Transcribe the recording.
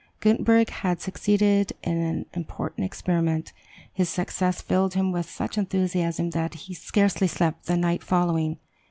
Gutenberg had succeeded in an important experiment. His success filled him with such enthusiasm that he scarcely slept the night following.